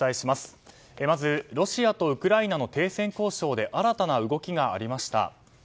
まず、ロシアとウクライナの停戦交渉で新たな動きがありました。